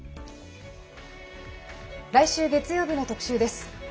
来週月曜日の特集です。